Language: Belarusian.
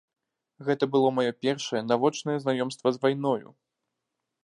Гэта было маё першае навочнае знаёмства з вайною.